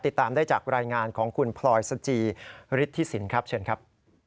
ติดตามได้จากรายงานของคุณพลอยสจีฤทธิสินครับเชิญครับ